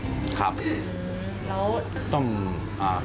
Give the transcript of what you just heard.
ต้องเขียวน้ำประมาณ๗๘ชั่วโมงนะครับ